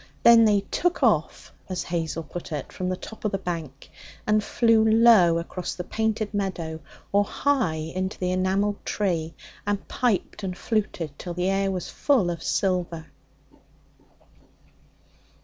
Then they 'took off,' as Hazel put it, from the top of the bank, and flew low across the painted meadow or high into the enamelled tree, and piped and fluted till the air was full of silver.